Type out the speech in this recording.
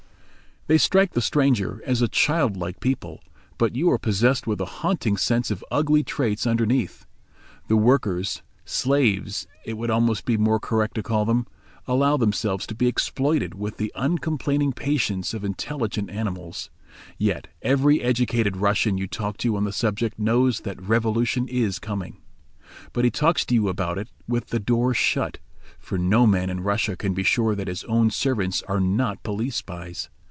They strike the stranger as a childlike people, but you are possessed with a haunting sense of ugly traits beneath. The workers—slaves it would be almost more correct to call them—allow themselves to be exploited with the uncomplaining patience of intelligent animals. Yet every educated Russian you talk to on the subject knows that revolution is coming. But he talks to you about it with the door shut, for no man in Russia can be sure that his own servants are not police spies.